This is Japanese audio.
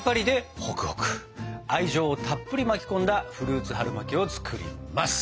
愛情をたっぷり巻き込んだフルーツ春巻きを作ります！